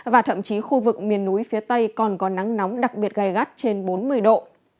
và thậm chí khu vực miền núi phía tây còn có nắng nóng đặc biệt gai gắt trên bốn mươi độ